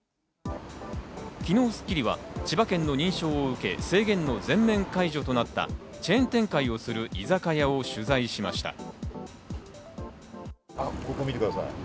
昨日『スッキリ』は千葉県の認証を受け、制限の全面解除となったチェーン展開をここを見てください。